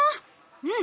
うん！